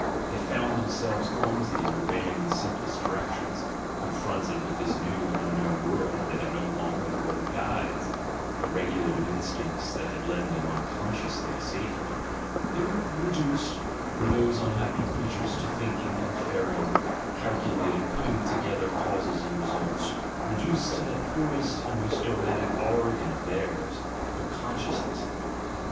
They found themselves clumsy in obeying the simplest directions, confronted with this new and unknown world they had no longer their old guides — the regulative instincts that had led them unconsciously to safety — they were reduced, were those unhappy crea tures, to thinking, inferring, calculating, putting together causes and results, reduced to that poorest and most er ratic organ of theirs, their "consciousness."